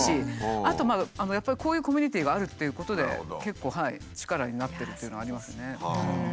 やっぱりこういうコミュニティーがあるっていうことで結構力になってるというのはありますね。